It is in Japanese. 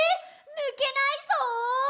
ぬけないぞ！！」